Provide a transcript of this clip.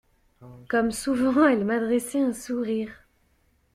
Comme souvent, elle m'adressait un sourire.